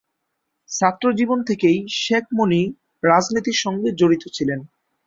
ছাত্রজীবন থেকেই শেখ মনি রাজনীতির সঙ্গে জড়িত ছিলেন।